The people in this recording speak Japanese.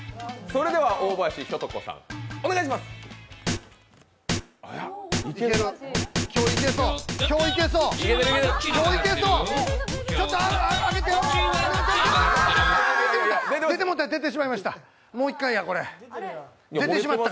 それでは大林ひょと子さん、お願いします！